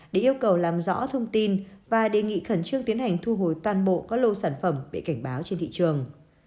để yêu cầu làm rõ thông tin và đề nghị khẩn trương tiến hành thu hồi toàn bộ các lô sản phẩm bị cảnh báo trên thị trường